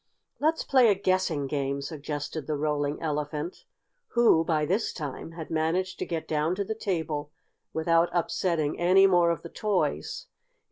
"Let's play a guessing game," suggested the Rolling Elephant, who, by this time had managed to get down to the table without upsetting any more of the toys.